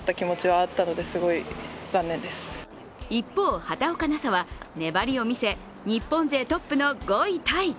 一方、畑岡奈紗は粘りを見せ日本勢トップの５位タイ。